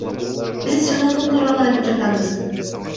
Биз жылуулук тууралуу айтып жатабыз.